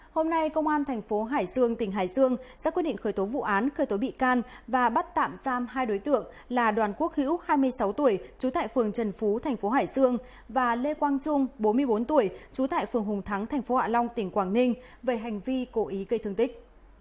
hôm nay công an thành phố hải dương tỉnh hải dương ra quyết định khởi tố vụ án khởi tố bị can và bắt tạm giam hai đối tượng là đoàn quốc hữu hai mươi sáu tuổi trú tại phường trần phú thành phố hải dương và lê quang trung bốn mươi bốn tuổi trú tại phường hùng thắng tp hạ long tỉnh quảng ninh về hành vi cố ý gây thương tích